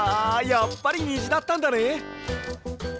やっぱりにじだったんだね！